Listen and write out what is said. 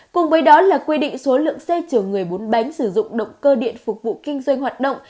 cùng với đó là quy định số lượng xe chở người bốn bánh sử dụng động cơ điện phục vụ kinh doanh hoạt động